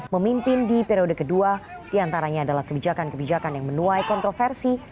memimpin di periode kedua diantaranya adalah kebijakan kebijakan yang menuai kontroversi